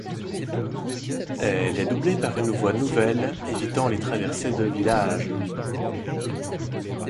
Elle est doublée par une voie nouvelle évitant les traversées de village.